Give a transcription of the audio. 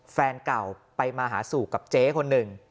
แฟนเก่าไปมาหาสู่กับเจ๊คนหนึ่ง